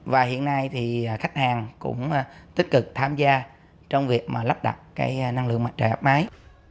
và hiện nay thì khách hàng cũng tích cực tham gia trong việc lắp đặt cái năng lượng mặt trời áp mái